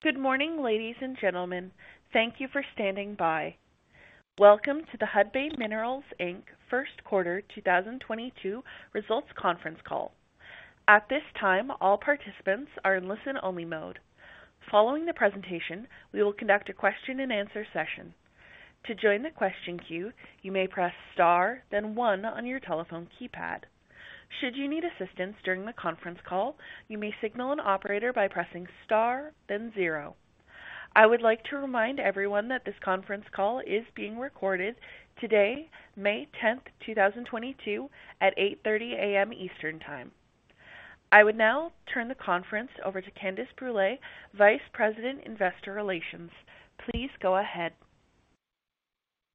Good morning, ladies and gentlemen. Thank you for standing by. Welcome to the Hudbay Minerals Inc. First Quarter 2022 Results Conference Call. At this time, all participants are in listen-only mode. Following the presentation, we will conduct a question-and-answer session. To join the question queue, you may press star then one on your telephone keypad. Should you need assistance during the conference call, you may signal an operator by pressing star then zero. I would like to remind everyone that this conference call is being recorded today, May 10th, 2022 at 8:00 A.M. Eastern Time. I would now turn the conference over to Candace Brule, Vice President, Investor Relations. Please go ahead.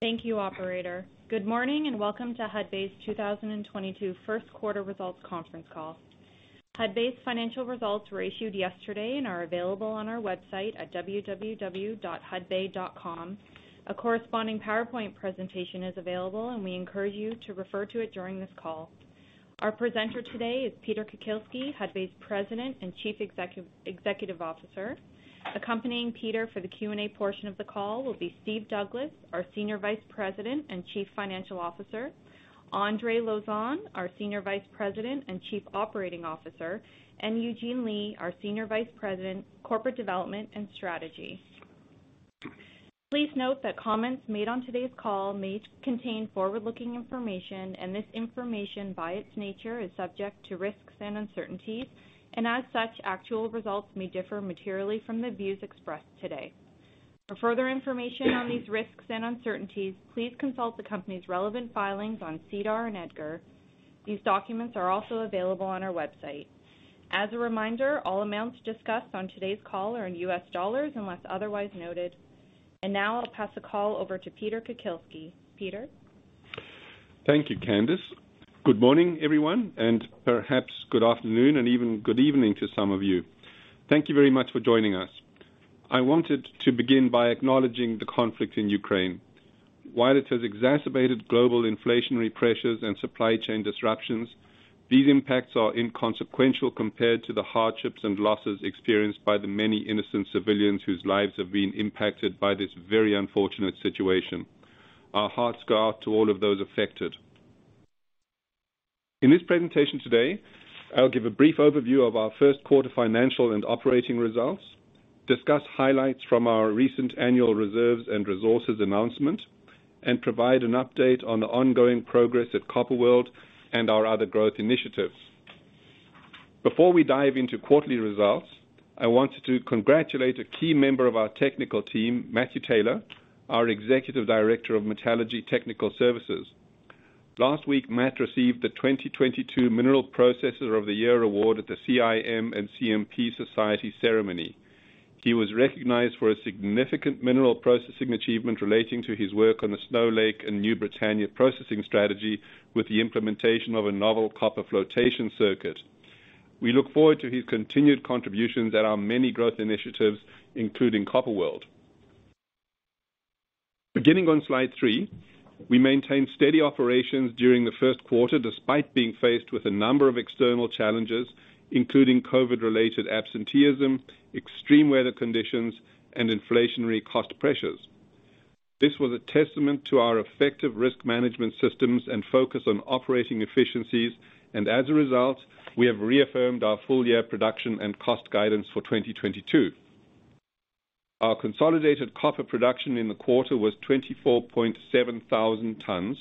Thank you, operator. Good morning and welcome to Hudbay's 2022 First Quarter Results Conference Call. Hudbay's financial results were issued yesterday and are available on our website at www.hudbay.com. A corresponding PowerPoint presentation is available, and we encourage you to refer to it during this call. Our presenter today is Peter Kukielski, Hudbay's President and Chief Executive Officer. Accompanying Peter for the Q&A portion of the call will be Steve Douglas, our Senior Vice President and Chief Financial Officer, Andre Lauzon, our Senior Vice President and Chief Operating Officer, and Eugene Lei, our Senior Vice President, Corporate Development and Strategy. Please note that comments made on today's call may contain forward-looking information, and this information, by its nature, is subject to risks and uncertainties. As such, actual results may differ materially from the views expressed today. For further information on these risks and uncertainties, please consult the company's relevant filings on SEDAR and EDGAR. These documents are also available on our website. As a reminder, all amounts discussed on today's call are in U.S. dollars unless otherwise noted. Now I'll pass the call over to Peter Kukielski. Peter. Thank you, Candace. Good morning, everyone, and perhaps good afternoon, and even good evening to some of you. Thank you very much for joining us. I wanted to begin by acknowledging the conflict in Ukraine. While it has exacerbated global inflationary pressures and supply chain disruptions, these impacts are inconsequential compared to the hardships and losses experienced by the many innocent civilians whose lives have been impacted by this very unfortunate situation. Our hearts go out to all of those affected. In this presentation today, I'll give a brief overview of our first quarter financial and operating results, discuss highlights from our recent annual reserves and resources announcement, and provide an update on the ongoing progress at Copper World and our other growth initiatives. Before we dive into quarterly results, I want to congratulate a key member of our technical team, Matthew Taylor, our Executive Director of Metallurgy Technical Services. Last week, Matt received the 2022 Mineral Processor of the Year award at the CIM and CMP Society ceremony. He was recognized for a significant mineral processing achievement relating to his work on the Snow Lake and New Britannia processing strategy with the implementation of a novel copper flotation circuit. We look forward to his continued contributions at our many growth initiatives, including Copper World. Beginning on slide three, we maintain steady operations during the first quarter, despite being faced with a number of external challenges, including COVID-related absenteeism, extreme weather conditions, and inflationary cost pressures. This was a testament to our effective risk management systems and focus on operating efficiencies, and as a result, we have reaffirmed our full-year production and cost guidance for 2022. Our consolidated copper production in the quarter was 24,700 tons,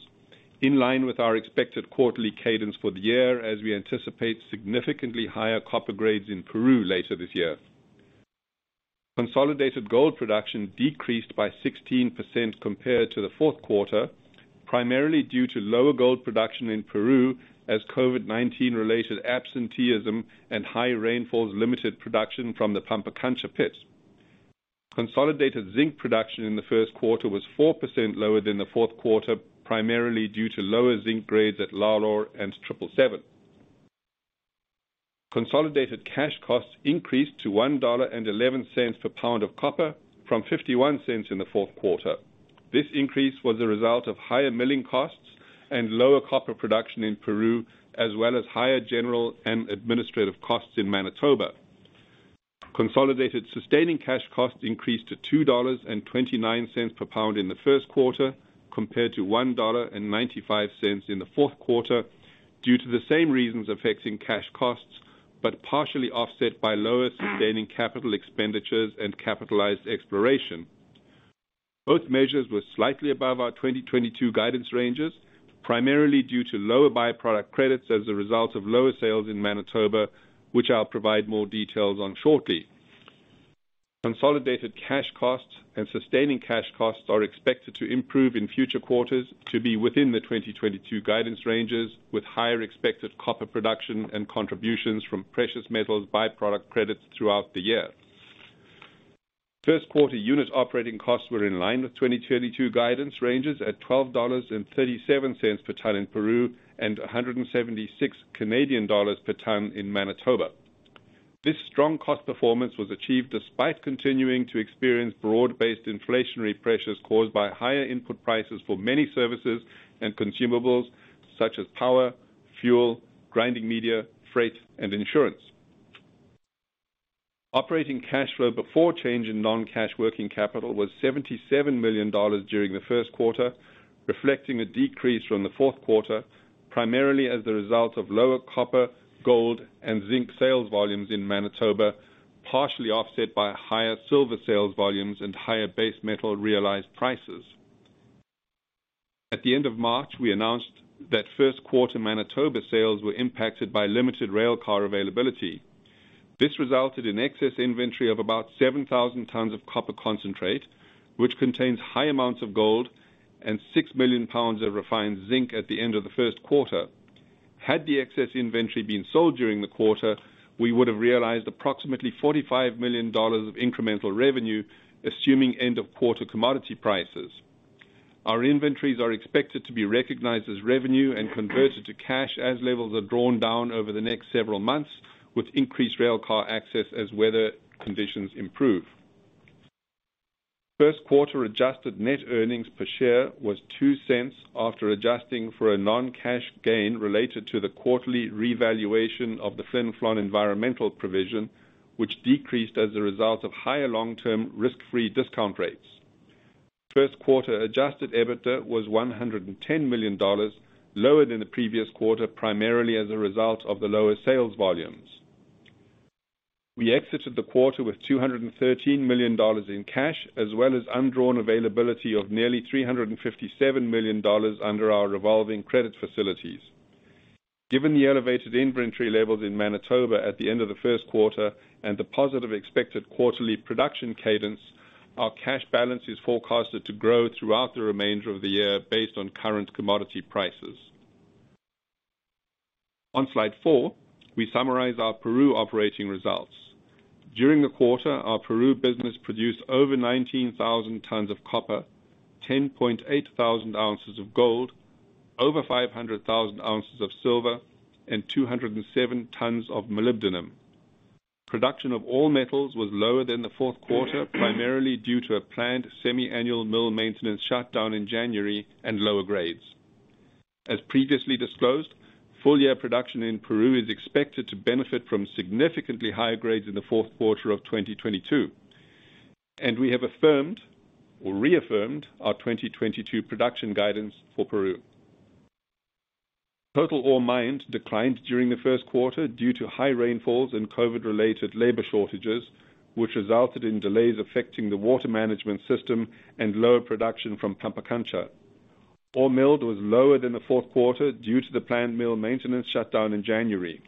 in line with our expected quarterly cadence for the year as we anticipate significantly higher copper grades in Peru later this year. Consolidated gold production decreased by 16% compared to the fourth quarter, primarily due to lower gold production in Peru as COVID-19 related absenteeism and high rainfalls limited production from the Pampacancha pit. Consolidated zinc production in the first quarter was 4% lower than the fourth quarter, primarily due to lower zinc grades at Lalor and Triple Seven. Consolidated cash costs increased to $1.11 per pound of copper from $0.51 in the fourth quarter. This increase was a result of higher milling costs and lower copper production in Peru, as well as higher general and administrative costs in Manitoba. Consolidated sustaining cash costs increased to $2.29 per pound in the first quarter, compared to $1.95 in the fourth quarter due to the same reasons affecting cash costs, but partially offset by lower sustaining capital expenditures and capitalized exploration. Both measures were slightly above our 2022 guidance ranges, primarily due to lower by-product credits as a result of lower sales in Manitoba, which I'll provide more details on shortly. Consolidated cash costs and sustaining cash costs are expected to improve in future quarters to be within the 2022 guidance ranges with higher expected copper production and contributions from precious metals by-product credits throughout the year. First quarter unit operating costs were in line with 2022 guidance ranges at $12.37 per ton in Peru and 176 Canadian dollars per ton in Manitoba. This strong cost performance was achieved despite continuing to experience broad-based inflationary pressures caused by higher input prices for many services and consumables such as power, fuel, grinding media, freight, and insurance. Operating cash flow before change in non-cash working capital was $77 million during the first quarter, reflecting a decrease from the fourth quarter, primarily as the result of lower copper, gold, and zinc sales volumes in Manitoba. Partially offset by higher silver sales volumes and higher base metal realized prices. At the end of March, we announced that first quarter Manitoba sales were impacted by limited rail car availability. This resulted in excess inventory of about 7,000 tons of copper concentrate, which contains high amounts of gold and 6 million lbs of refined zinc at the end of the first quarter. Had the excess inventory been sold during the quarter, we would have realized approximately $45 million of incremental revenue, assuming end of quarter commodity prices. Our inventories are expected to be recognized as revenue and converted to cash as levels are drawn down over the next several months, with increased rail car access as weather conditions improve. First quarter adjusted net earnings per share was $0.02 after adjusting for a non-cash gain related to the quarterly revaluation of the Flin Flon environmental provision, which decreased as a result of higher long-term risk-free discount rates. First quarter adjusted EBITDA was $110 million, lower than the previous quarter, primarily as a result of the lower sales volumes. We exited the quarter with $213 million in cash, as well as undrawn availability of nearly $357 million under our revolving credit facilities. Given the elevated inventory levels in Manitoba at the end of the first quarter and the positive expected quarterly production cadence, our cash balance is forecasted to grow throughout the remainder of the year based on current commodity prices. On slide four, we summarize our Peru operating results. During the quarter, our Peru business produced over 19,000 tons of copper, 10,800 ounces of gold, over 500,000 ounces of silver, and 207 tons of molybdenum. Production of all metals was lower than the fourth quarter, primarily due to a planned semi-annual mill maintenance shutdown in January and lower grades. As previously disclosed, full year production in Peru is expected to benefit from significantly higher grades in the fourth quarter of 2022, and we have affirmed or reaffirmed our 2022 production guidance for Peru. Total ore mined declined during the first quarter due to high rainfalls and COVID-related labor shortages, which resulted in delays affecting the water management system and lower production from Pampacancha. Ore milled was lower than the fourth quarter due to the planned mill maintenance shutdown in January.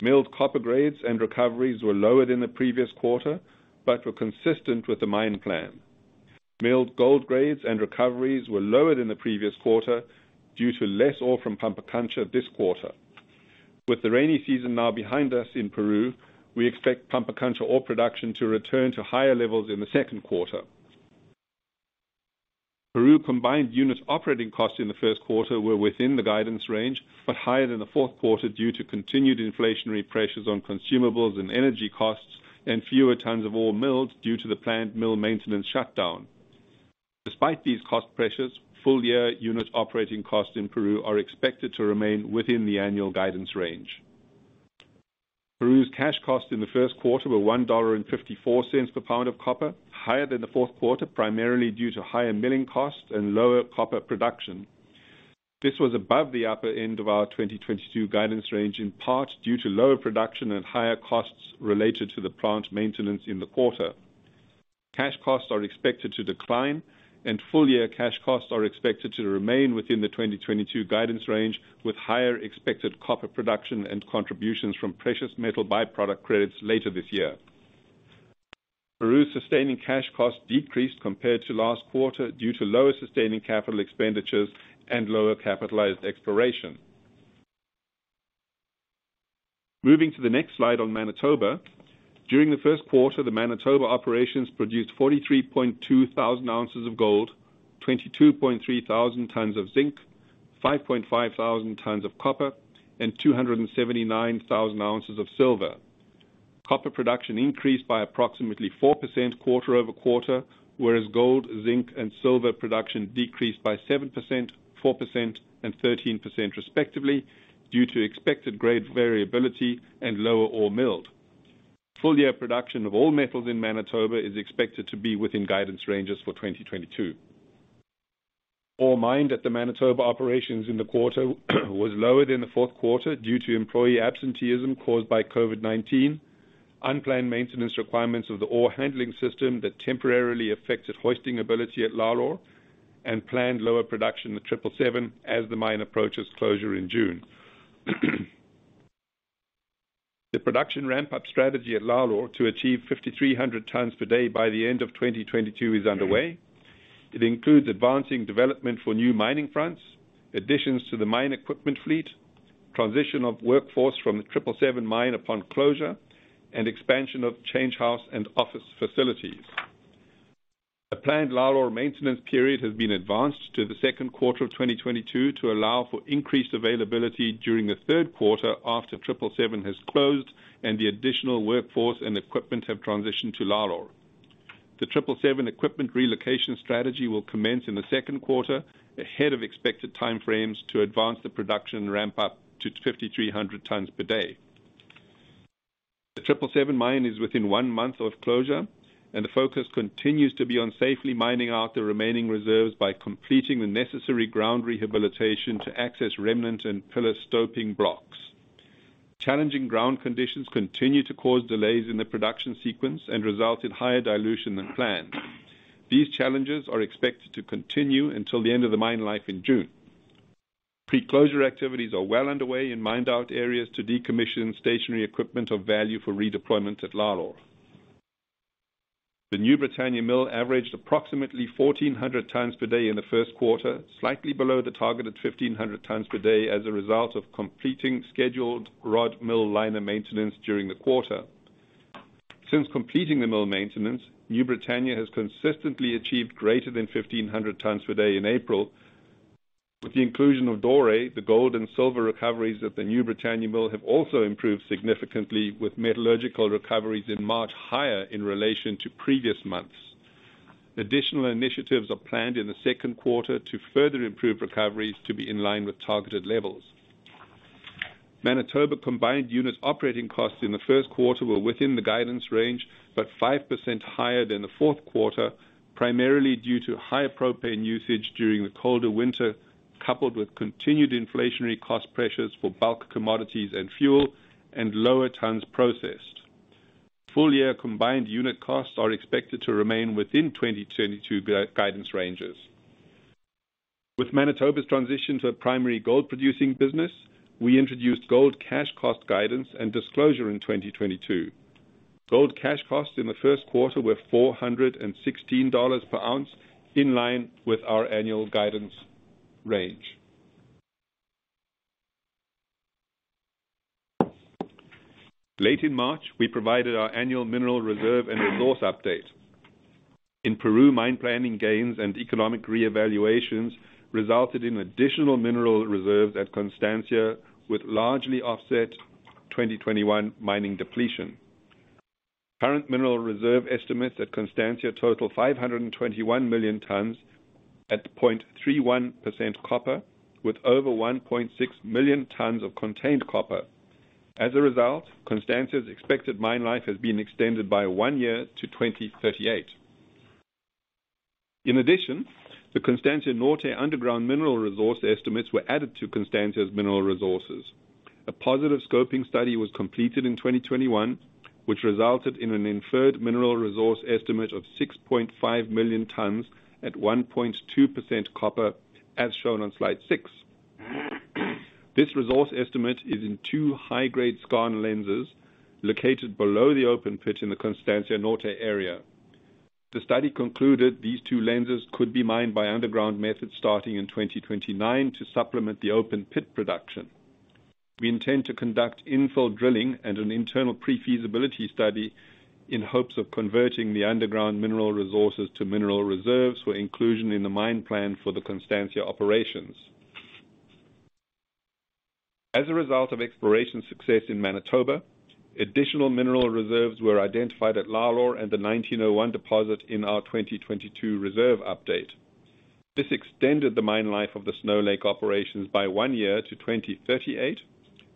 Milled copper grades and recoveries were lower than the previous quarter, but were consistent with the mine plan. Milled gold grades and recoveries were lower than the previous quarter due to less ore from Pampacancha this quarter. With the rainy season now behind us in Peru, we expect Pampacancha ore production to return to higher levels in the second quarter. Peru's combined unit operating costs in the first quarter were within the guidance range, but higher than the fourth quarter due to continued inflationary pressures on consumables and energy costs and fewer tons of ore milled due to the planned mill maintenance shutdown. Despite these cost pressures, full year unit operating costs in Peru are expected to remain within the annual guidance range. Peru's cash costs in the first quarter were $1.54 per pound of copper, higher than the fourth quarter, primarily due to higher milling costs and lower copper production. This was above the upper end of our 2022 guidance range, in part due to lower production and higher costs related to the plant maintenance in the quarter. Cash costs are expected to decline, and full-year cash costs are expected to remain within the 2022 guidance range, with higher expected copper production and contributions from precious metal by-product credits later this year. Peru's sustaining cash costs decreased compared to last quarter due to lower sustaining capital expenditures and lower capitalized exploration. Moving to the next slide on Manitoba. During the first quarter, the Manitoba operations produced 43,200 ounces of gold, 22,300 tons of zinc, 5,500 tons of copper and 279,000 ounces of silver. Copper production increased by approximately 4% quarter-over-quarter, whereas gold, zinc and silver production decreased by 7%, 4% and 13%, respectively, due to expected grade variability and lower ore milled. Full year production of all metals in Manitoba is expected to be within guidance ranges for 2022. Ore mined at the Manitoba operations in the quarter was lower than the fourth quarter due to employee absenteeism caused by COVID-19, unplanned maintenance requirements of the ore handling system that temporarily affected hoisting ability at Lalor, and planned lower production at Triple Seven as the mine approaches closure in June. The production ramp-up strategy at Lalor to achieve 5,300 tons per day by the end of 2022 is underway. It includes advancing development for new mining fronts, additions to the mine equipment fleet, transition of workforce from the Triple Seven mine upon closure, and expansion of change house and office facilities. A planned Lalor maintenance period has been advanced to the second quarter of 2022 to allow for increased availability during the third quarter after Triple Seven has closed and the additional workforce and equipment have transitioned to Lalor. The Triple Seven equipment relocation strategy will commence in the second quarter, ahead of expected time frames to advance the production ramp up to 5,300 tons per day. The Triple Seven mine is within one month of closure, and the focus continues to be on safely mining out the remaining reserves by completing the necessary ground rehabilitation to access remnant and pillar stoping blocks. Challenging ground conditions continue to cause delays in the production sequence and result in higher dilution than planned. These challenges are expected to continue until the end of the mine life in June. Pre-closure activities are well underway in mined out areas to decommission stationary equipment of value for redeployment at Lalor. The New Britannia Mill averaged approximately 1,400 tons per day in the first quarter, slightly below the targeted 1,500 tons per day as a result of completing scheduled rod mill liner maintenance during the quarter. Since completing the mill maintenance, New Britannia has consistently achieved greater than 1,500 tons per day in April. With the inclusion of doré, the gold and silver recoveries at the New Britannia Mill have also improved significantly, with metallurgical recoveries in March higher in relation to previous months. Additional initiatives are planned in the second quarter to further improve recoveries to be in line with targeted levels. Manitoba combined unit operating costs in the first quarter were within the guidance range, but 5% higher than the fourth quarter, primarily due to higher propane usage during the colder winter, coupled with continued inflationary cost pressures for bulk commodities and fuel, and lower tons processed. Full year combined unit costs are expected to remain within 2022 guidance ranges. With Manitoba's transition to a primary gold producing business, we introduced gold cash cost guidance and disclosure in 2022. Gold cash costs in the first quarter were $416 per ounce, in line with our annual guidance range. Late in March, we provided our annual mineral reserve and resource update. In Peru, mine planning gains and economic reevaluations resulted in additional mineral reserves at Constancia, with largely offset 2021 mining depletion. Current mineral reserve estimates at Constancia total 521 million tons at 0.31% copper with over 1.6 million tons of contained copper. As a result, Constancia's expected mine life has been extended by one year to 2038. In addition, the Constancia Norte underground mineral resource estimates were added to Constancia's mineral resources. A positive scoping study was completed in 2021, which resulted in an inferred mineral resource estimate of 6.5 million tons at 1.2% copper as shown on slide six. This resource estimate is in two high-grade skarn lenses located below the open pit in the Constancia Norte area. The study concluded these two lenses could be mined by underground methods starting in 2029 to supplement the open pit production. We intend to conduct infill drilling and an internal pre-feasibility study in hopes of converting the underground mineral resources to mineral reserves for inclusion in the mine plan for the Constancia operations. As a result of exploration success in Manitoba, additional mineral reserves were identified at Lalor and the 1901 deposit in our 2022 reserve update. This extended the mine life of the Snow Lake operations by one year to 2038,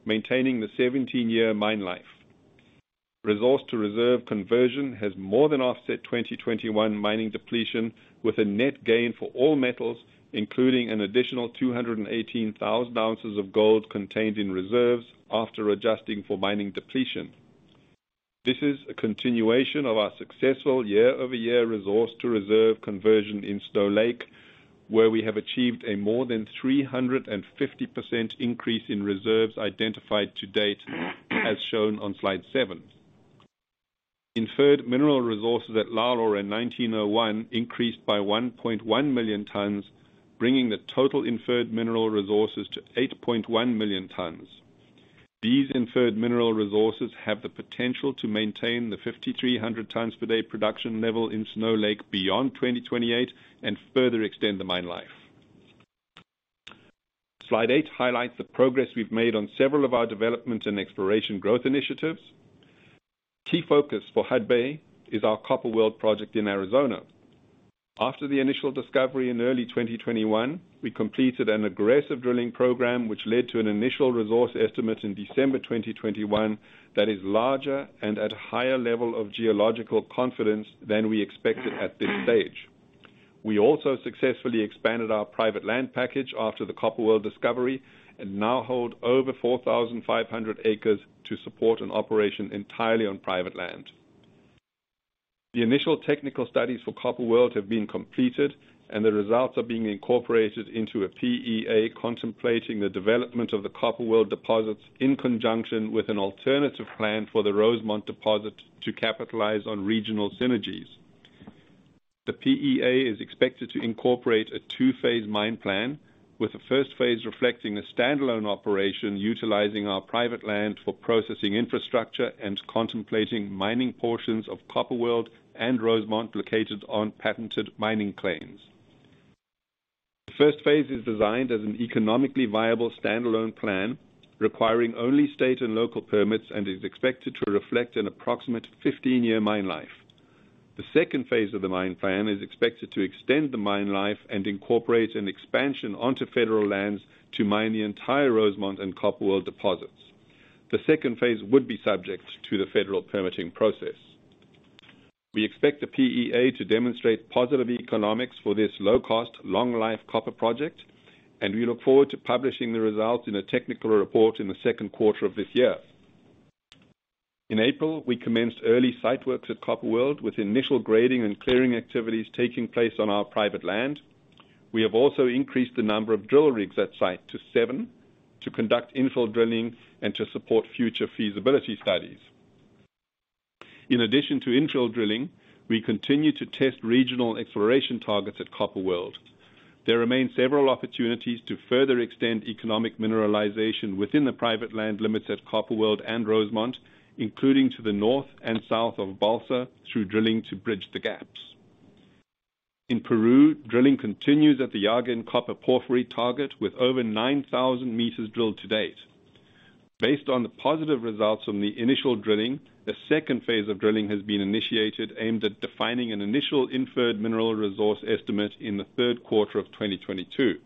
maintaining the 17-year mine life. Resource to reserve conversion has more than offset 2021 mining depletion with a net gain for all metals, including an additional 218,000 ounces of gold contained in reserves after adjusting for mining depletion. This is a continuation of our successful year-over-year resource to reserve conversion in Snow Lake, where we have achieved a more than 350% increase in reserves identified to date, as shown on slide seven. Inferred mineral resources at Lalor in 1901 increased by 1.1 million tons, bringing the total inferred mineral resources to 8.1 million tons. These inferred mineral resources have the potential to maintain the 5,300 tons per day production level in Snow Lake beyond 2028 and further extend the mine life. Slide eight highlights the progress we've made on several of our development and exploration growth initiatives. Key focus for Hudbay is our Copper World project in Arizona. After the initial discovery in early 2021, we completed an aggressive drilling program, which led to an initial resource estimate in December 2021 that is larger and at higher level of geological confidence than we expected at this stage. We also successfully expanded our private land package after the Copper World discovery and now hold over 4,500 acres to support an operation entirely on private land. The initial technical studies for Copper World have been completed and the results are being incorporated into a PEA contemplating the development of the Copper World deposits in conjunction with an alternative plan for the Rosemont deposit to capitalize on regional synergies. The PEA is expected to incorporate a two-phase mine plan, with the first phase reflecting a stand-alone operation utilizing our private land for processing infrastructure and contemplating mining portions of Copper World and Rosemont located on patented mining claims. The first phase is designed as an economically viable standalone plan, requiring only state and local permits, and is expected to reflect an approximate 15-year mine life. The second phase of the mine plan is expected to extend the mine life and incorporate an expansion onto federal lands to mine the entire Rosemont and Copper World deposits. The second phase would be subject to the federal permitting process. We expect the PEA to demonstrate positive economics for this low-cost, long-life copper project, and we look forward to publishing the results in a technical report in the second quarter of this year. In April, we commenced early site works at Copper World, with initial grading and clearing activities taking place on our private land. We have also increased the number of drill rigs at site to seven to conduct infill drilling and to support future feasibility studies. In addition to infill drilling, we continue to test regional exploration targets at Copper World. There remain several opportunities to further extend economic mineralization within the private land limits at Copper World and Rosemont, including to the north and south of Bolsa, through drilling to bridge the gaps. In Peru, drilling continues at the Yargan copper porphyry target with over 9,000 meters drilled to date. Based on the positive results from the initial drilling, the second phase of drilling has been initiated, aimed at defining an initial inferred mineral resource estimate in the third quarter of 2022.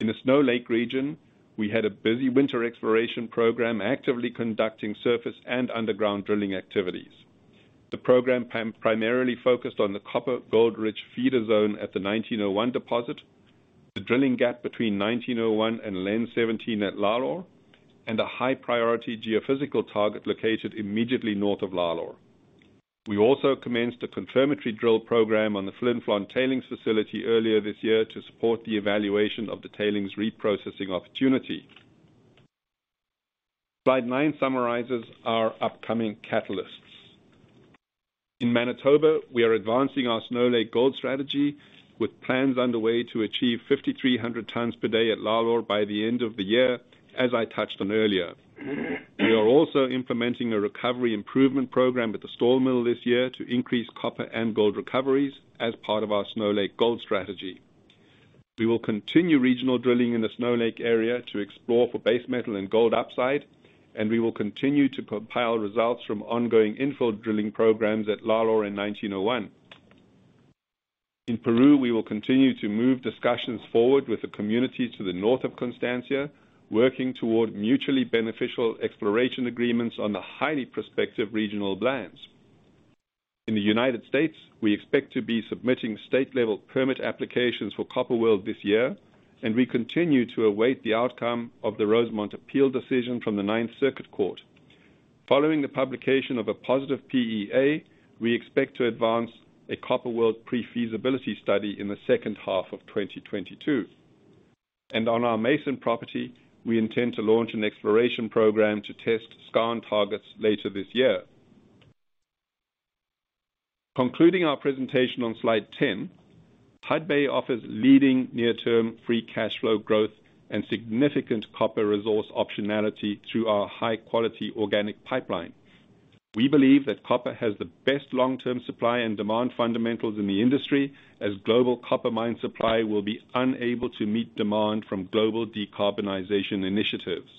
In the Snow Lake region, we had a busy winter exploration program, actively conducting surface and underground drilling activities. The program primarily focused on the copper gold-rich feeder zone at the 1901 deposit, the drilling gap between 1901 and Lens 17 at Lalor, and a high-priority geophysical target located immediately north of Lalor. We also commenced a confirmatory drill program on the Flin Flon tailings facility earlier this year to support the evaluation of the tailings reprocessing opportunity. Slide nine summarizes our upcoming catalysts. In Manitoba, we are advancing our Snow Lake Gold strategy with plans underway to achieve 5,300 tons per day at Lalor by the end of the year, as I touched on earlier. We are also implementing a recovery improvement program with the Stall mill this year to increase copper and gold recoveries as part of our Snow Lake Gold strategy. We will continue regional drilling in the Snow Lake area to explore for base metal and gold upside, and we will continue to compile results from ongoing infill drilling programs at Lalor in 1901. In Peru, we will continue to move discussions forward with the communities to the north of Constancia, working toward mutually beneficial exploration agreements on the highly prospective regional lands. In the United States, we expect to be submitting state-level permit applications for Copper World this year, and we continue to await the outcome of the Rosemont appeal decision from the Ninth Circuit Court of Appeals. Following the publication of a positive PEA, we expect to advance a Copper World pre-feasibility study in the second half of 2022. On our Mason property, we intend to launch an exploration program to test skarn targets later this year. Concluding our presentation on slide 10, Hudbay offers leading near-term free cash flow growth and significant copper resource optionality through our high-quality organic pipeline. We believe that copper has the best long-term supply and demand fundamentals in the industry, as global copper mine supply will be unable to meet demand from global decarbonization initiatives.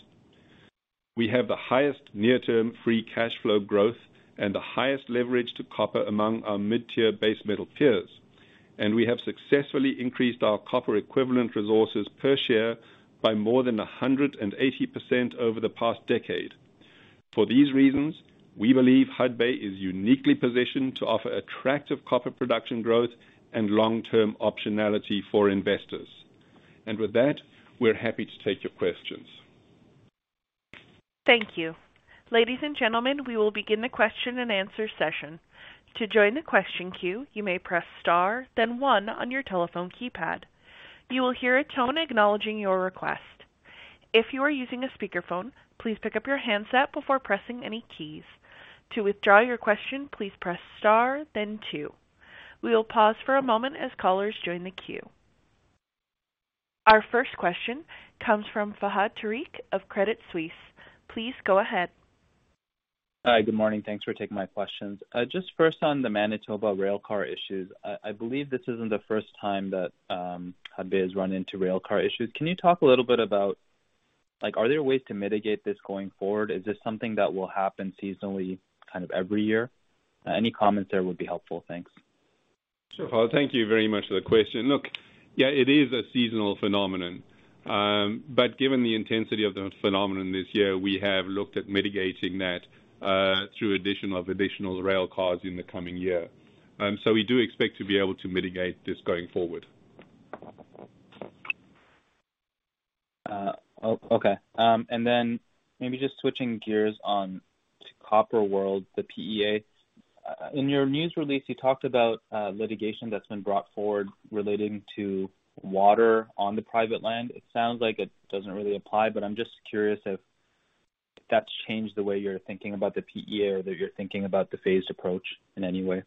We have the highest near-term free cash flow growth and the highest leverage to copper among our mid-tier base metal peers, and we have successfully increased our copper equivalent resources per share by more than 180% over the past decade. For these reasons, we believe Hudbay is uniquely positioned to offer attractive copper production growth and long-term optionality for investors. With that, we're happy to take your questions. Thank you. Ladies and gentlemen, we will begin the question and answer session. To join the question queue, you may press star, then one on your telephone keypad. You will hear a tone acknowledging your request. If you are using a speakerphone, please pick up your handset before pressing any keys. To withdraw your question, please press star then two. We will pause for a moment as callers join the queue. Our first question comes from Fahad Tariq of Credit Suisse. Please go ahead. Hi. Good morning. Thanks for taking my questions. Just first on the Manitoba railcar issues. I believe this isn't the first time that Hudbay has run into railcar issues. Can you talk a little bit about, like, are there ways to mitigate this going forward? Is this something that will happen seasonally, kind of every year? Any comments there would be helpful. Thanks. Sure. Thank you very much for the question. Look, yeah, it is a seasonal phenomenon. Given the intensity of the phenomenon this year, we have looked at mitigating that through addition of additional railcars in the coming year. We do expect to be able to mitigate this going forward. Okay. Maybe just switching gears on to Copper World, the PEA. In your news release, you talked about litigation that's been brought forward relating to water on the private land. It sounds like it doesn't really apply, but I'm just curious if that's changed the way you're thinking about the PEA or that you're thinking about the phased approach in any way?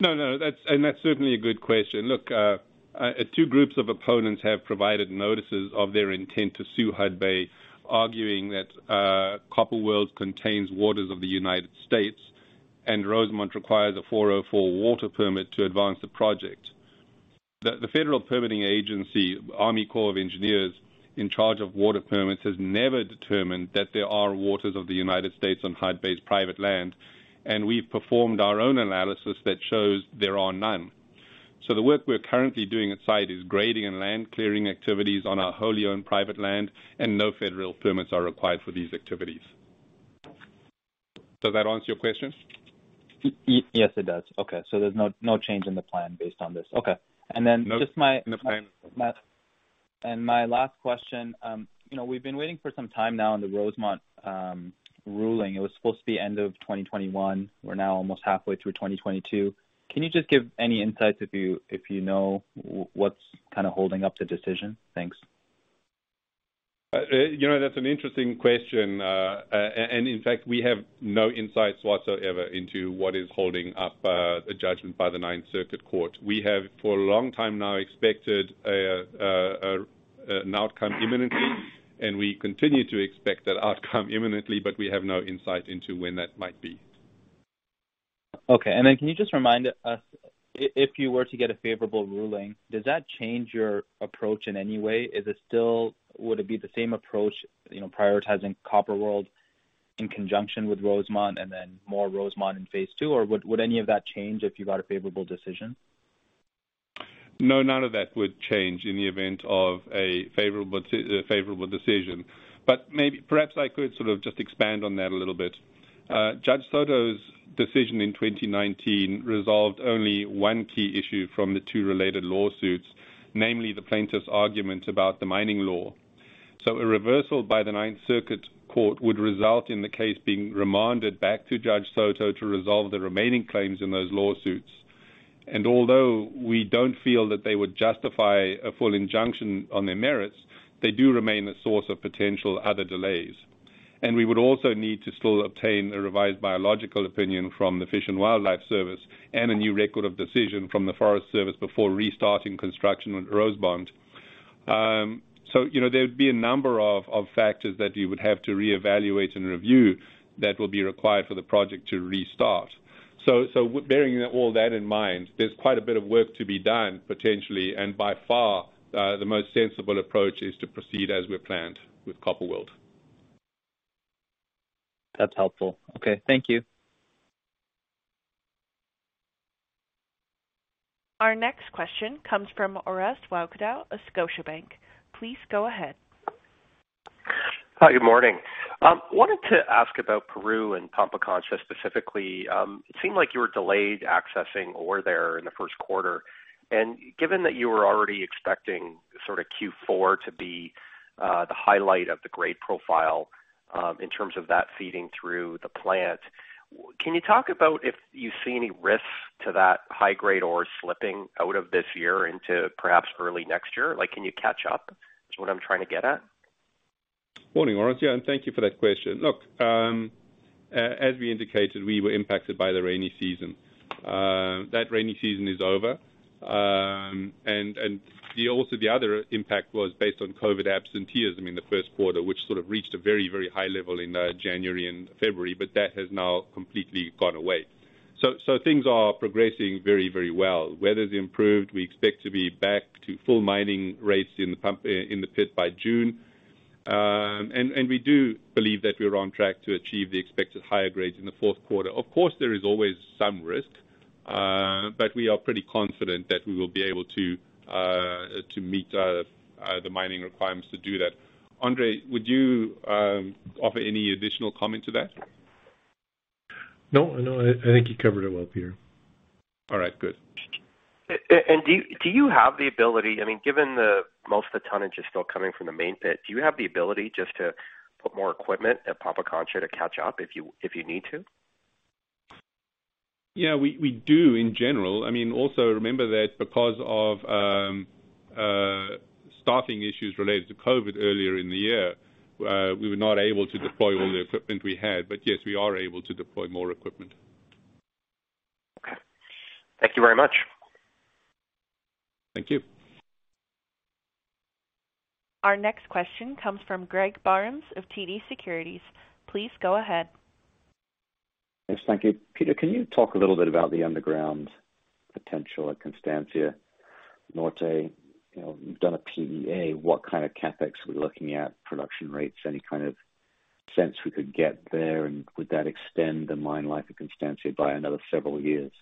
No, that's certainly a good question. Look, two groups of opponents have provided notices of their intent to sue Hudbay, arguing that Copper World contains Waters of the United States. Rosemont requires a 404 water permit to advance the project. The federal permitting agency, US Army Corps of Engineers, in charge of water permits, has never determined that there are Waters of the United States on Hudbay's private land, and we've performed our own analysis that shows there are none. The work we're currently doing at site is grading and land clearing activities on our wholly owned private land and no federal permits are required for these activities. Does that answer your question? Yes, it does. Okay. There's no change in the plan based on this. Okay then. No. My last question, you know, we've been waiting for some time now on the Rosemont ruling. It was supposed to be end of 2021. We're now almost halfway through 2022. Can you just give any insights if you know what's kinda holding up the decision? Thanks. You know, that's an interesting question. In fact, we have no insights whatsoever into what is holding up a judgment by the Ninth Circuit Court. We have for a long time now expected an outcome imminently, and we continue to expect that outcome imminently, but we have no insight into when that might be. Okay. Can you just remind us if you were to get a favorable ruling, does that change your approach in any way? Would it be the same approach, you know, prioritizing Copper World in conjunction with Rosemont and then more Rosemont in phase II? Or would any of that change if you got a favorable decision? No, none of that would change in the event of a favorable decision. Perhaps I could sort of just expand on that a little bit. Judge Soto's decision in 2019 resolved only one key issue from the two related lawsuits, namely the plaintiff's argument about the mining law. A reversal by the Ninth Circuit Court of Appeals would result in the case being remanded back to Judge Soto to resolve the remaining claims in those lawsuits. Although we don't feel that they would justify a full injunction on their merits, they do remain a source of potential other delays. We would also need to still obtain a revised biological opinion from the US Fish and Wildlife Service and a new record of decision from the US Forest Service before restarting construction with Rosemont. You know, there would be a number of factors that you would have to reevaluate and review that will be required for the project to restart. Bearing all that in mind, there's quite a bit of work to be done, potentially, and by far, the most sensible approach is to proceed as we've planned with Copper World. That's helpful. Okay, thank you. Our next question comes from Orest Wowkodaw of Scotiabank. Please go ahead. Hi, good morning. Wanted to ask about Peru and Pampacancha specifically. It seemed like you were delayed accessing ore there in the first quarter. Given that you were already expecting sort of Q4 to be the highlight of the grade profile, in terms of that feeding through the plant, can you talk about if you see any risks to that high-grade ore slipping out of this year into perhaps early next year? Like, can you catch up, is what I'm trying to get at. Morning, Orest, and thank you for that question. Look, as we indicated, we were impacted by the rainy season. That rainy season is over. Also the other impact was based on COVID absenteeism in the first quarter, which sort of reached a very high level in January and February, but that has now completely gone away. Things are progressing very well. Weather's improved. We expect to be back to full mining rates in the pit by June. We do believe that we're on track to achieve the expected higher grades in the fourth quarter. Of course, there is always some risk, but we are pretty confident that we will be able to meet the mining requirements to do that. Andre, would you offer any additional comment to that? No, I think you covered it well, Peter. All right, good. Do you have the ability, I mean, given that most of the tonnage is still coming from the main pit, do you have the ability just to put more equipment at Pampacancha to catch up if you need to? Yeah, we do in general. I mean, also remember that because of staffing issues related to COVID earlier in the year, we were not able to deploy all the equipment we had but yes, we are able to deploy more equipment. Okay. Thank you very much. Thank you. Our next question comes from Greg Barnes of TD Securities. Please go ahead. Yes, thank you. Peter, can you talk a little bit about the underground potential at Constancia Norte? You know, you've done a PEA. What kind of CapEx are we looking at, production rates? Any kind of sense we could get there? Would that extend the mine life of Constancia by another several years?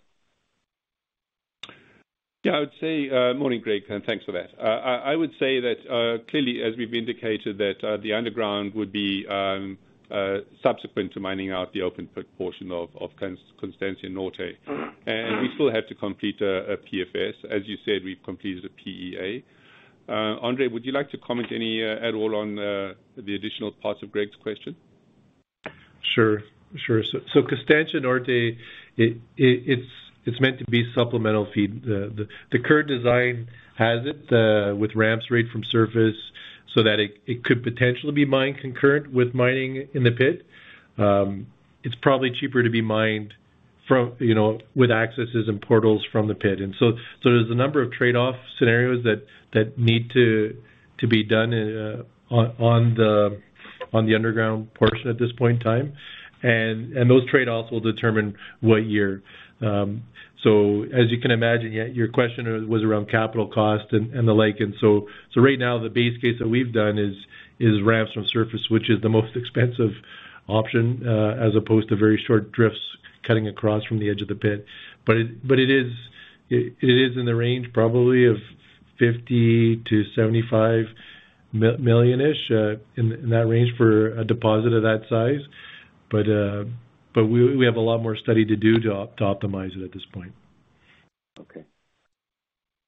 Yeah, I would say, Morning, Greg, and thanks for that. I would say that clearly, as we've indicated, that the underground would be subsequent to mining out the open pit portion of Constancia Norte. We still have to complete a PFS. As you said, we've completed a PEA. Andre, would you like to comment any at all on the additional parts of Greg's question? Sure. Constancia Norte, it's meant to be supplemental feed. The current design has it with ramps right from surface so that it could potentially be mined concurrent with mining in the pit. It's probably cheaper to be mined from, you know, with accesses and portals from the pit. There's a number of trade-off scenarios that need to be done on the underground portion at this point in time. Those trade-offs will determine what year. As you can imagine, yeah, your question was around capital cost and the like. Right now the base case that we've done is ramps from surface, which is the most expensive option, as opposed to very short drifts cutting across from the edge of the pit. It is in the range probably of $50 million-$75 million-ish, in that range for a deposit of that size. We have a lot more study to do to optimize it at this point.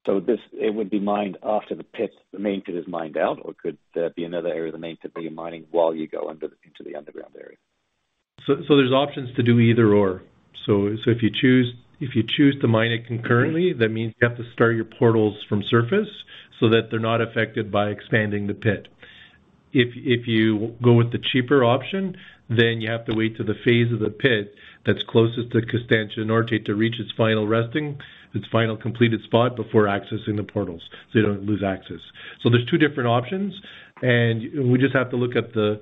It would be mined after the pit, the main pit is mined out, or could there be another area of the main pit that you're mining while you go under, into the underground area? There's options to do either/or. If you choose to mine it concurrently, that means you have to start your portals from surface so that they're not affected by expanding the pit. If you go with the cheaper option, then you have to wait till the phase of the pit that's closest to Constancia Norte to reach its final completed spot before accessing the portals, so you don't lose access. There's two different options, and we just have to look at the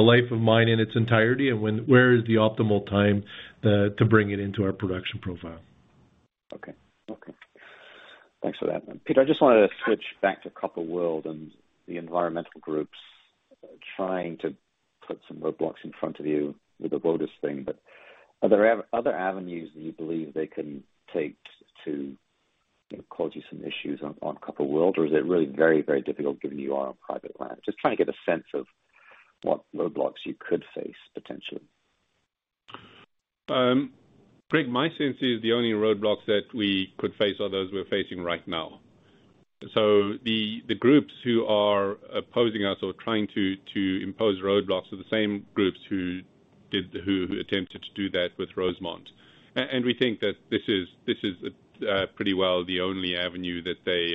life of mine in its entirety and when where is the optimal time to bring it into our production profile. Okay. Thanks for that. Peter, I just wanted to switch back to Copper World and the environmental groups trying to put some roadblocks in front of you with the Waters thing. Are there any other avenues that you believe they can take to, you know, cause you some issues on Copper World? Or is it really very, very difficult given you are on private land? Just trying to get a sense of what roadblocks you could face, potentially. Greg, my sense is the only roadblocks that we could face are those we're facing right now. The groups who are opposing us or trying to impose roadblocks are the same groups who attempted to do that with Rosemont. We think that this is pretty well the only avenue that they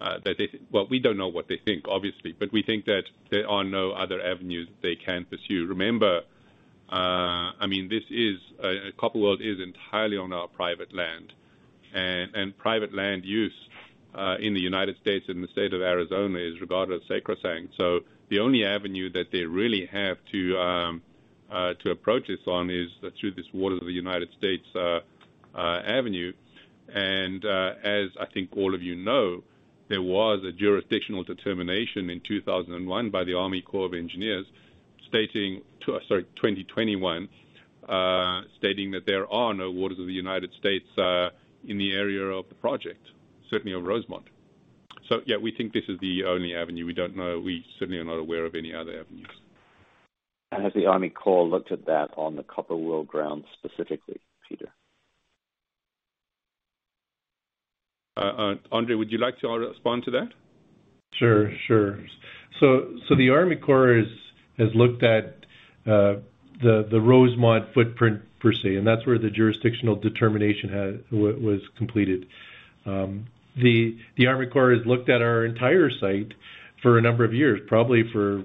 that they. Well, we don't know what they think, obviously, but we think that there are no other avenues they can pursue. Remember, I mean, this is Copper World is entirely on our private land and private land use in the United States and the state of Arizona is regarded as sacrosanct. The only avenue that they really have to to approach this on is through this Waters of the United States avenue. As I think all of you know, there was a jurisdictional determination in 2021 by the US Army Corps of Engineers stating that there are no Waters of the United States in the area of the project, certainly of Rosemont. We think this is the only avenue. We don't know. We certainly are not aware of any other avenues. Has the Army Corps looked at that on the Copper World grounds specifically, Peter? Andre, would you like to respond to that? Sure. The Army Corps has looked at the Rosemont footprint per se, and that's where the jurisdictional determination was completed. The Army Corps has looked at our entire site for a number of years, probably for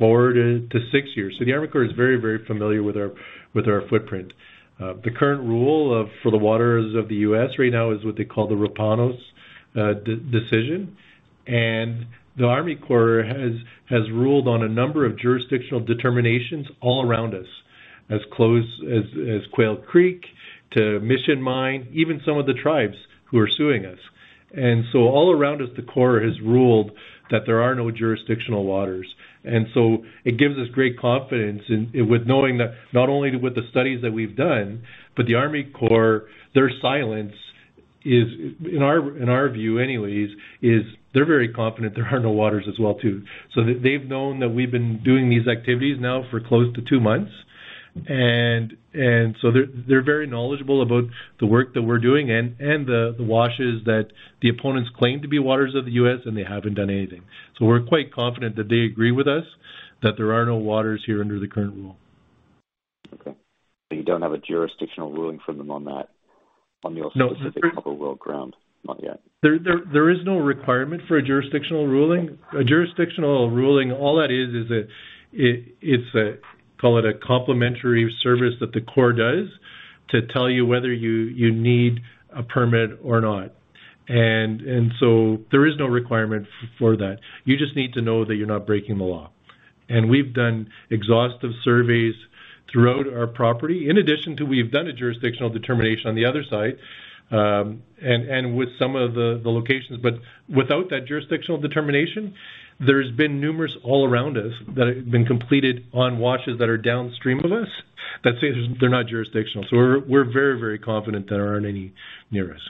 4-6 years. The Army Corps is very familiar with our footprint. The current rule for the Waters of the U.S. right now is what they call the Rapanos decision. The Army Corps has ruled on a number of jurisdictional determinations all around us, as close as Quail Creek to Mission Mine, even some of the tribes who are suing us. All around us, the Corps has ruled that there are no jurisdictional waters. It gives us great confidence in with knowing that not only with the studies that we've done, but the the Army Corps, their silence is, in our view anyways, they're very confident there are no waters as well too. They've known that we've been doing these activities now for close to two months. They're very knowledgeable about the work that we're doing and the washes that the opponents claim to be Waters of the U.S., and they haven't done anything. We're quite confident that they agree with us that there are no waters here under the current rule. Okay. You don't have a jurisdictional ruling from them on that, on your specific. No. Copper World ground? Not yet. There is no requirement for a jurisdictional ruling. A jurisdictional ruling, all that is that it's a complementary service that the Corps does to tell you whether you need a permit or not. There is no requirement for that. You just need to know that you're not breaking the law. We've done exhaustive surveys throughout our property, in addition to we've done a jurisdictional determination on the other site, and with some of the locations. Without that jurisdictional determination, there's been numerous all around us that have been completed on washes that are downstream of us that say they're not jurisdictional. We're very confident there aren't any near us.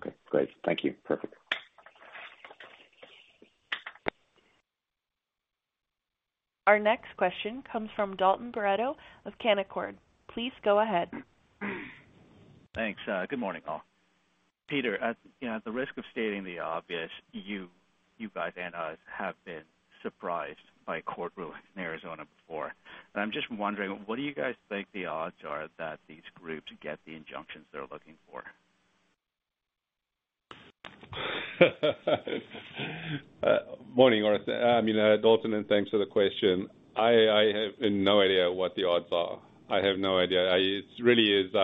Okay, great. Thank you. Perfect. Our next question comes from Dalton Baretto of Canaccord. Please go ahead. Thanks. Good morning, all. Peter, you know, at the risk of stating the obvious, you guys and us have been surprised by a court ruling in Arizona before. I'm just wondering, what do you guys think the odds are that these groups get the injunctions they're looking for? Morning, Dalton, and thanks for the question. I have no idea what the odds are. It really is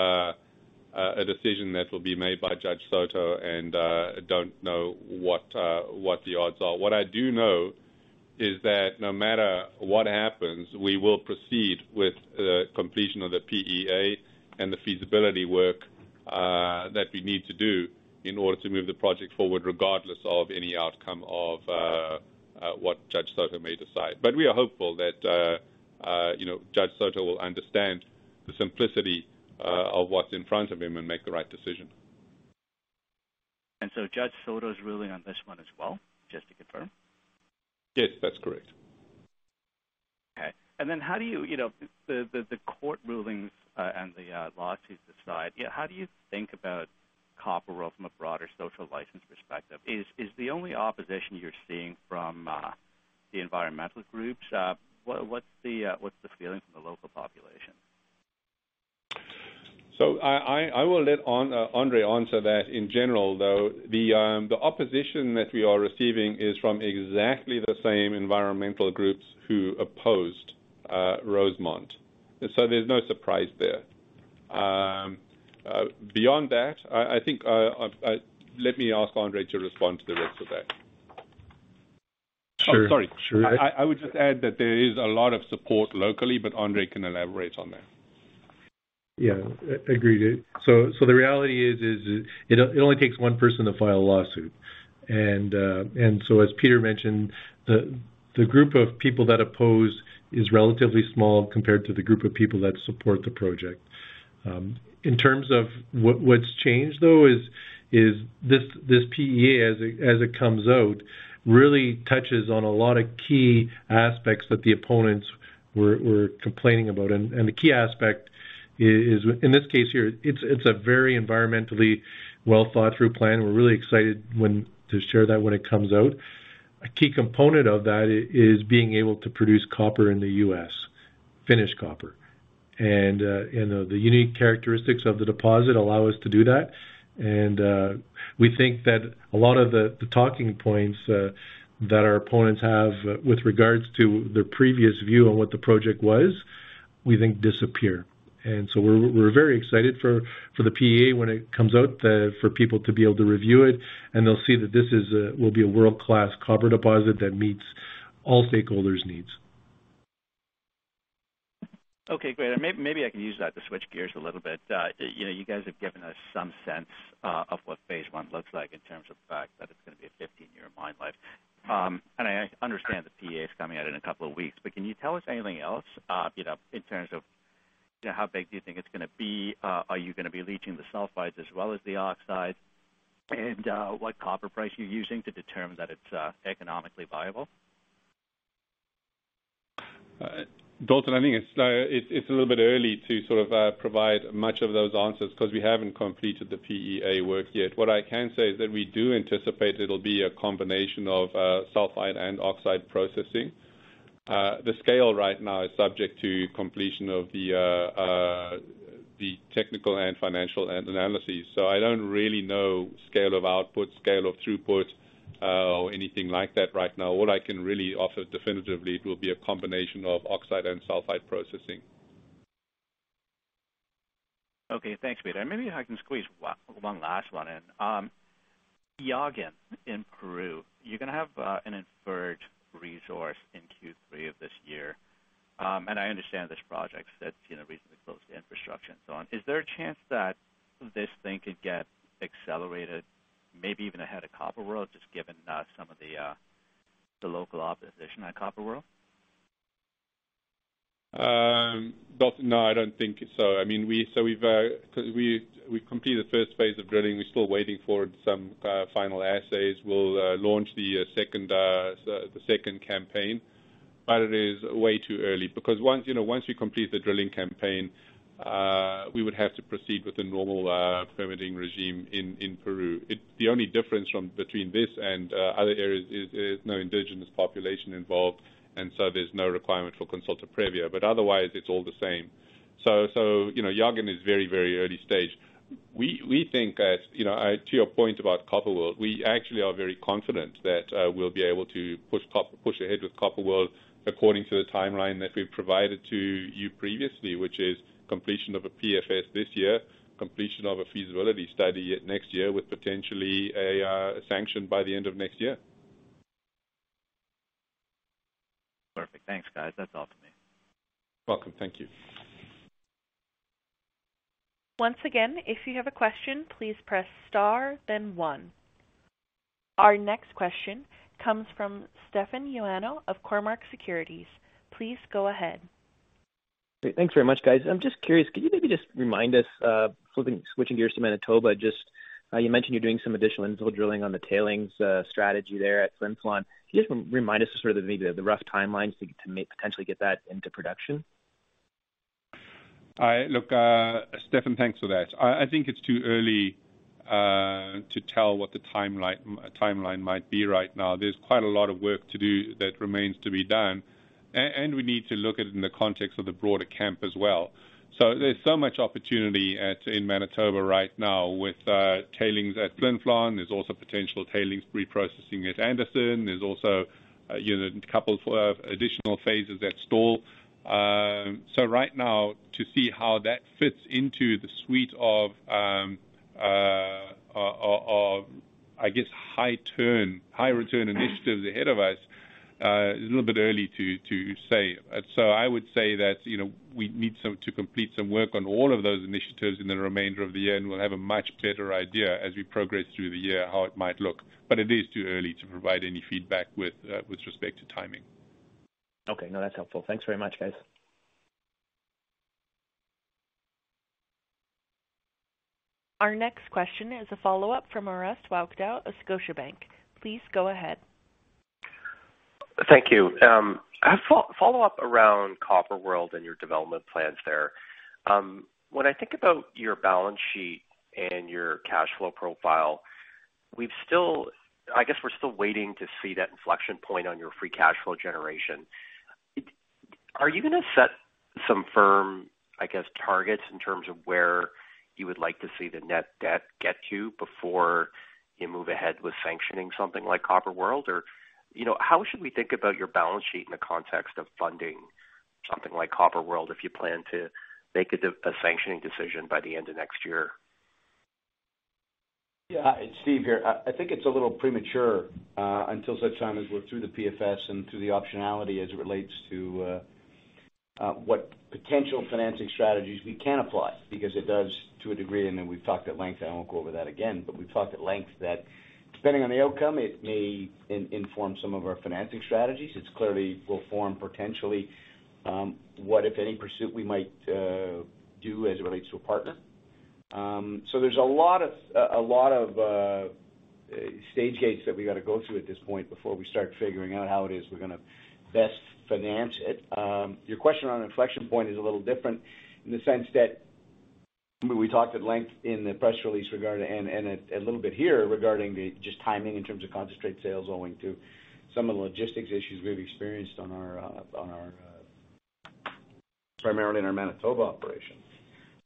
a decision that will be made by Judge Soto, and I don't know what the odds are. What I do know is that no matter what happens, we will proceed with the completion of the PEA and the feasibility work that we need to do in order to move the project forward, regardless of any outcome of what Judge Soto may decide. We are hopeful that you know, Judge Soto will understand the simplicity of what's in front of him and make the right decision. Judge Soto's ruling on this one as well, just to confirm? Yes, that's correct. Okay. How do you know, think about Copper World from a broader social license perspective? Is the only opposition you're seeing from the environmental groups? What's the feeling from the local population? I will let Andre answer that. In general, though, the opposition that we are receiving is from exactly the same environmental groups who opposed Rosemont. There's no surprise there. Beyond that, let me ask Andre to respond to the rest of that. Sure. Sure. Oh, sorry. I would just add that there is a lot of support locally, but Andre can elaborate on that. Yeah, agreed. The reality is it only takes one person to file a lawsuit. As Peter mentioned, the group of people that oppose is relatively small compared to the group of people that support the project. In terms of what's changed, though, is this PEA, as it comes out, really touches on a lot of key aspects that the opponents were complaining about. The key aspect is, in this case here, it's a very environmentally well thought through plan. We're really excited to share that when it comes out. A key component of that is being able to produce copper in the U.S., finished copper. You know, the unique characteristics of the deposit allow us to do that. We think that a lot of the talking points that our opponents have with regards to their previous view on what the project was, we think disappear. We're very excited for the PEA when it comes out, for people to be able to review it, and they'll see that this will be a world-class copper deposit that meets all stakeholders' needs. Okay, great. Maybe I can use that to switch gears a little bit. You know, you guys have given us some sense of what phase one looks like in terms of the fact that it's gonna be a 15-year mine life. I understand the PEA is coming out in a couple of weeks, but can you tell us anything else, you know, in terms of, you know, how big do you think it's gonna be? Are you gonna be leaching the sulfides as well as the oxides? What copper price are you using to determine that it's economically viable? Dalton, I think it's a little bit early to sort of provide much of those answers because we haven't completed the PEA work yet. What I can say is that we do anticipate it'll be a combination of sulfide and oxide processing. The scale right now is subject to completion of the technical and financial analysis. I don't really know scale of output, scale of throughput, or anything like that right now. All I can really offer definitively. It will be a combination of oxide and sulfide processing. Okay. Thanks, Peter. Maybe I can squeeze one last one in. Llaguen in Peru, you're gonna have an inferred resource in Q3 of this year. I understand this project sits, you know, reasonably close to infrastructure and so on. Is there a chance that this thing could get accelerated, maybe even ahead of Copper World, just given some of the local opposition at Copper World? Dalton, no, I don't think so. I mean, we've completed the first phase of drilling. We're still waiting for some final assays. We'll launch the second campaign. It is way too early because once you know, once we complete the drilling campaign, we would have to proceed with the normal permitting regime in Peru. The only difference between this and other areas is there's no indigenous population involved, and so there's no requirement for consulta previa. Otherwise, it's all the same. You know, Llaguen is very, very early stage. We think, as you know, to your point about Copper World, we actually are very confident that we'll be able to push ahead with Copper World according to the timeline that we provided to you previously, which is completion of a PFS this year, completion of a feasibility study next year, with potentially a sanction by the end of next year. Perfect. Thanks, guys. That's all for me. Welcome. Thank you. Once again, if you have a question, please press star then one. Our next question comes from Stefan Ioannou of Cormark Securities. Please go ahead. Great. Thanks very much, guys. I'm just curious, could you maybe just remind us, switching gears to Manitoba, just, you mentioned you're doing some additional in-hole drilling on the tailings strategy there at Flin Flon. Can you just remind us of sort of maybe the rough timelines to potentially get that into production? Look, Stefan, thanks for that. I think it's too early to tell what the timeline might be right now. There's quite a lot of work to do that remains to be done. And we need to look at it in the context of the broader camp as well. There's so much opportunity in Manitoba right now with tailings at Flin Flon. There's also potential tailings reprocessing at Anderson. There's also you know, a couple of additional phases at Stall. Right now, to see how that fits into the suite of, I guess, high turn, high return initiatives ahead of us. A little bit early to say. I would say that, you know, we need to complete some work on all of those initiatives in the remainder of the year, and we'll have a much better idea as we progress through the year how it might look. But it is too early to provide any feedback with respect to timing. Okay. No, that's helpful. Thanks very much, guys. Our next question is a follow-up from Orest Wowkodaw of Scotiabank. Please go ahead. Thank you. A follow-up around Copper World and your development plans there. When I think about your balance sheet and your cash flow profile, I guess we're still waiting to see that inflection point on your free cash flow generation. Are you gonna set some firm, I guess, targets in terms of where you would like to see the net debt get to before you move ahead with sanctioning something like Copper World? Or, you know, how should we think about your balance sheet in the context of funding something like Copper World if you plan to make a sanctioning decision by the end of next year? Yeah. It's Steve here. I think it's a little premature until such time as we're through the PFS and through the optionality as it relates to what potential financing strategies we can apply because it does to a degree, and then we've talked at length, I won't go over that again, but we've talked at length that depending on the outcome, it may inform some of our financing strategies. It clearly will form potentially what if any pursuit we might do as it relates to a partner. There's a lot of stage gates that we gotta go through at this point before we start figuring out how it is we're gonna best finance it. Your question around inflection point is a little different in the sense that we talked at length in the press release regarding a little bit here regarding the just timing in terms of concentrate sales owing to some of the logistics issues we've experienced primarily in our Manitoba operation.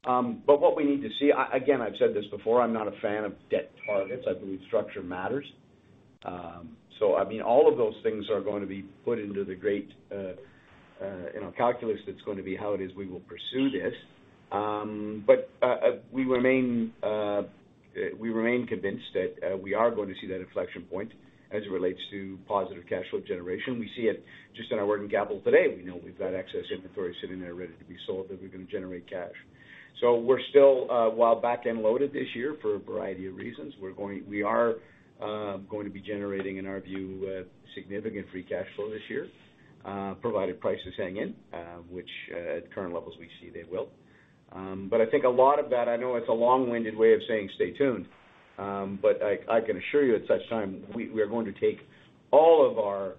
Again, I've said this before, I'm not a fan of debt targets. I believe structure matters. I mean, all of those things are going to be put into the great you know, calculus that's going to be how it is we will pursue this. We remain convinced that we are going to see that inflection point as it relates to positive cash flow generation. We see it just in our working capital today. We know we've got excess inventory sitting there ready to be sold, that we're gonna generate cash. We're still while back-end loaded this year for a variety of reasons. We are going to be generating, in our view, significant free cash flow this year. Provided prices hang in, which at current levels we see they will. But I think a lot of that. I know it's a long-winded way of saying stay tuned, but I can assure you at such time, we are going to take all of our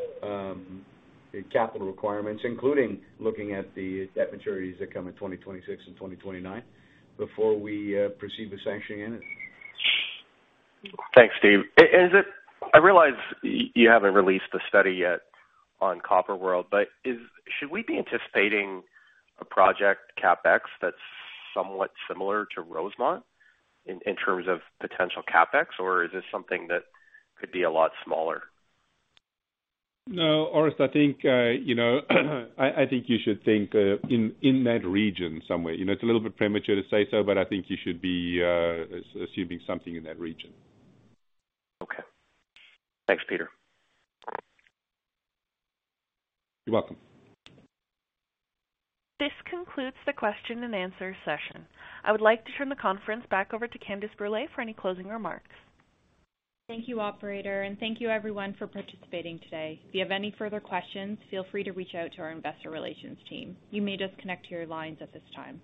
capital requirements, including looking at the debt maturities that come in 2026 and 2029 before we proceed with sanctioning it. Thanks, Steve. I realize you haven't released the study yet on Copper World, but should we be anticipating a project CapEx that's somewhat similar to Rosemont in terms of potential CapEx, or is this something that could be a lot smaller? No, Orest. I think, you know, I think you should think in that region somewhere. You know, it's a little bit premature to say so, but I think you should be assuming something in that region. Okay. Thanks, Peter. You're welcome. This concludes the question and answer session. I would like to turn the conference back over to Candace Brule for any closing remarks. Thank you, Operator, and thank you everyone for participating today. If you have any further questions, feel free to reach out to our investor relations team. You may disconnect your lines at this time.